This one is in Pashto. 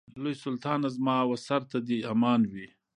لوی سلطانه زما و سر ته دي امان وي